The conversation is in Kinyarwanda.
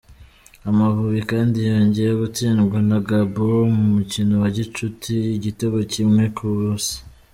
Amavubi kandi yongeye gutsindwa na Gabon mu mukino wa gicuti igitego kimwe ku busa.